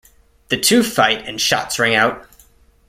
The two fight and shots ring out.